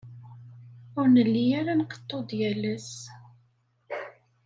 Ur nelli ara nqeḍḍu-d yal ass.